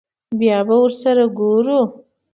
بيا به ورسره گورو.